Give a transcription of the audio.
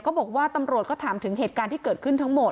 ตำรวจก็ถามถึงเหตุการณ์ที่เกิดขึ้นทั้งหมด